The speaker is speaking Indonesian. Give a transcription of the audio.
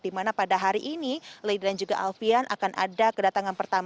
dimana pada hari ini lady dan juga alfian akan ada kedatangan berhasil